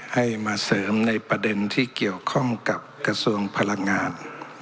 ให้มาเสริมในประเด็นที่เกี่ยวข้องกับกระทรวงพลังงาน